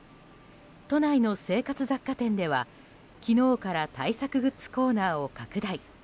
都内の生活雑貨店では、昨日から対策グッズコーナーを拡大。